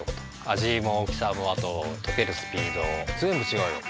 味も大きさもあととけるスピードぜんぶちがうよ。